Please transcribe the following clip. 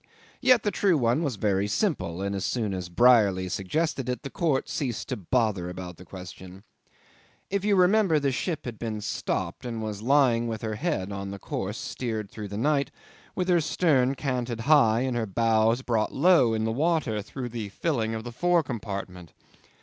Yet the true one was very simple, and as soon as Brierly suggested it the court ceased to bother about the question. If you remember, the ship had been stopped, and was lying with her head on the course steered through the night, with her stern canted high and her bows brought low down in the water through the filling of the fore compartment.